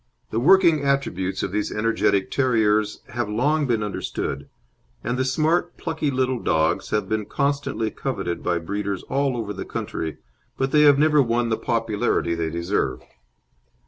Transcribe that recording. The working attributes of these energetic terriers have long been understood, and the smart, plucky little dogs have been constantly coveted by breeders all over the country, but they have never won the popularity they deserve.